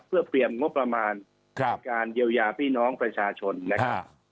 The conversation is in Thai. เพื่อเปลี่ยนงบประมาณในการเยียวยาพี่น้องประชาชนนะครับ